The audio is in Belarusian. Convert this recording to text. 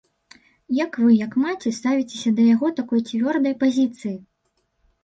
Як вы, як маці, ставіцеся да яго такой цвёрдай пазіцыі?